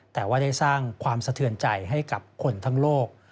แต่ว่าได้สร้างความสะเทือนใจให้กับคนทั้งโลก